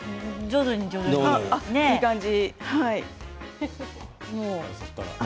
いい感じ。